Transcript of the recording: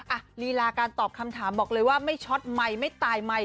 ลีลาการตอบคำถามบอกเลยว่าไม่ช็อตไมค์ไม่ตายไมค